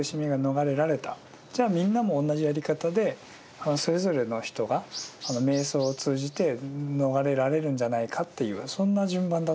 じゃあみんなも同じやり方でそれぞれの人が瞑想を通じて逃れられるんじゃないかっていうそんな順番だったってことですかね。